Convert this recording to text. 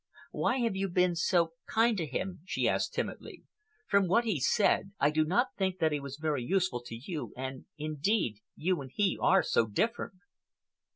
"Why have you been so kind to him?" she asked timidly. "From what he said, I do not think that he was very useful to you, and, indeed, you and he are so different."